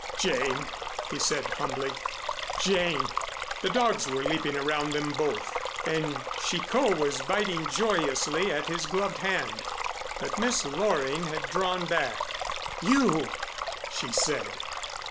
"Jane!" he said, humbly. "Jane!" The dogs were leaping around them both and Chicot was biting joyously at his gloved hand, but Miss Loring had drawn back. "You!" she said.